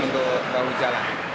untuk bahu jalan